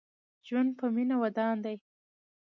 ژوند په مينه ودان دې